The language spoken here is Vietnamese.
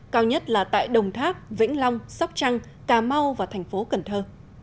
cao nhất là tại đồng tháp vĩnh long sóc trăng cà mau và thành phố cần thơ